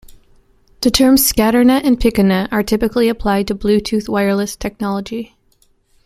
The terms "scatternet" and "piconet" are typically applied to Bluetooth wireless technology.